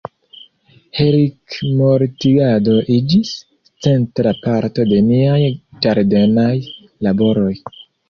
Helikmortigado iĝis centra parto de niaj ĝardenaj laboroj.